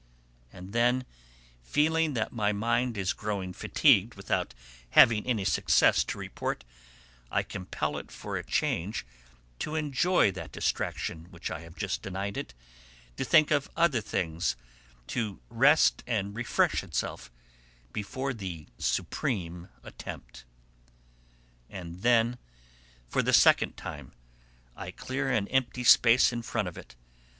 And then, feeling that my mind is growing fatigued without having any success to report, I compel it for a change to enjoy that distraction which I have just denied it, to think of other things, to rest and refresh itself before the supreme attempt. And then for the second time I clear an empty space in front of it.